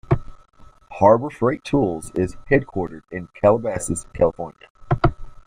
Harbor Freight Tools is headquartered in Calabasas, California.